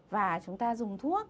và chúng ta dùng thuốc